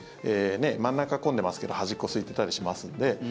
真ん中混んでますけど端っこ、すいてたりしますんで。